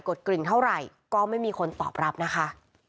กริ่งเท่าไหร่ก็ไม่มีคนตอบรับนะคะ